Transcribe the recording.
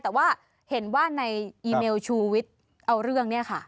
แต่ว่าเห็นว่าในอีเมลชูวิทย์เอาเรื่องเนี่ยค่ะ